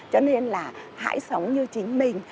cho nên là hãy sống như chính mình